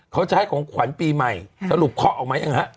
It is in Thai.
เขาจะให้ของขวัญปีใหม่สรุปเคาะออกไหมยังฮะ